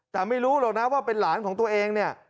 แต่ไม่รู้หรอกนะว่าเป็นหลานของตัวเองเนี่ย